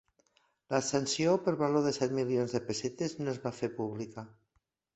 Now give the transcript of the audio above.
La sanció, per valor de set milions de pessetes, no es va fer pública.